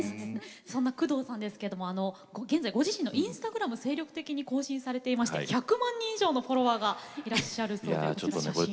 そんな工藤さんですけれども現在ご自身のインスタグラム精力的に更新されていまして１００万人以上のフォロワーがいらっしゃるそうで写真が。